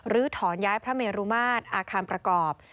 ถอนย้ายพระเมรุมาตรอาคารประกอบ